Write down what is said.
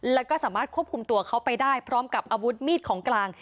แล้วก็สามารถควบคุมตัวเขาไปได้พร้อมกับอาวุธมีดของกลาง